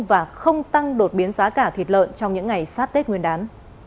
và không tăng đột biến giá cả thịt lợn trong những ngày sát tết nguyên đán